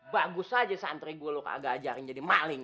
bagus aja santri gue lo kagak ajarin jadi maling